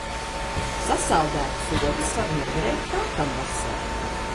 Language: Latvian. Sasaldētas ogas var noderēt nākamvasar.